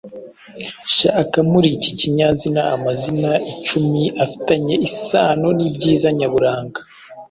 Shaka muri iki kinyatuzu amazina icumi afitanye isano n’ibyiza nyaburanga